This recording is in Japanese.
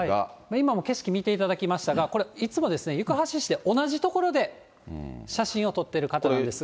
今も景色見ていただきましたが、これいつも行橋市で同じ所で写真を撮ってる方なんですが。